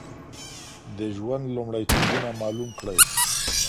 د ژوند لومړيتوبونه معلوم کړئ